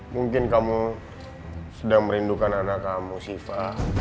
mungkin kamu sudah merindukan anak kamu siva